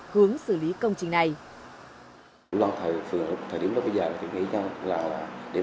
hướng xử lý công trình này